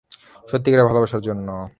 সত্যিকারের ভালবাসার জন্য।